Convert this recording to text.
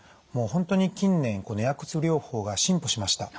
もう本当に近年薬物療法が進歩しました。